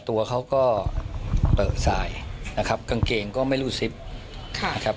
ตัวเขาก็เปิดสายนะครับกางเกงก็ไม่รู้ซิปนะครับ